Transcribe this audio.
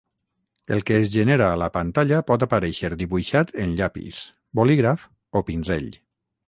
El que es genera a la pantalla pot aparèixer dibuixat en llapis, bolígraf, o pinzell.